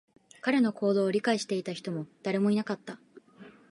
彼の行動を理解していた人も誰もいなかった